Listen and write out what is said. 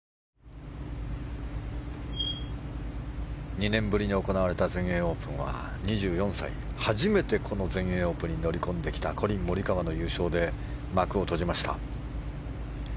２年ぶりに行われた全英オープンは２４歳、初めてこの全英オープンに乗り込んできたコリン・モリカワの優勝で幕を閉じました。